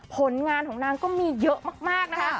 ผลงานของนางก็มีเยอะมากนะคะ